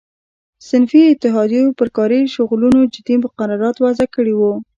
صنفي اتحادیو پر کاري شغلونو جدي مقررات وضع کړي وو.